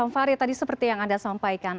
fahri tadi seperti yang anda sampaikan